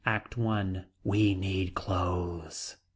ACT I. We need clothes.